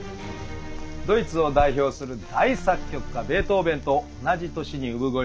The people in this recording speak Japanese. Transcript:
ドイツを代表する大作曲家ベートーベンと同じ年に産声を上げたヘーゲル。